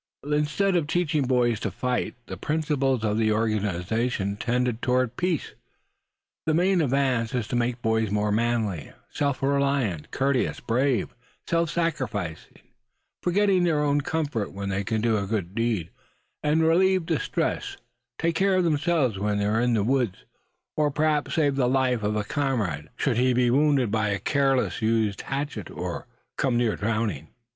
Instead of teaching boys to fight, the principles of the organization tend toward peace. The main thing advanced is to make boys more manly, self reliant, courteous, brave, self sacrificing, forgetting their own comfort when they can do a good deed, and relieve distress; take care of themselves when in the woods; and perhaps save the life of a comrade, should he be wounded by a carelessly used hatchet; or come near drowning.